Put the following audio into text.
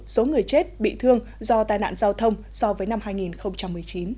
số người chết bị thương do tai nạn giao thông so với năm hai nghìn một mươi chín